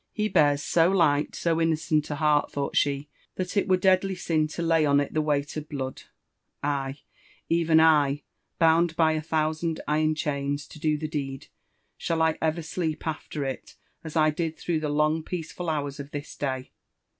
'* He bears so light, so innocent a heart," thought she, <<that it were deadly sin to lay on it the weight of blood. I — even I, bound by a thousand iron chains to do the deed — shall I oyer sleep after it as. I did through the long peaceful hours of this day